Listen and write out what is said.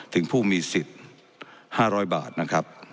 ถึงผู้มีสิทธิ์๕๐๐บาทนะครับ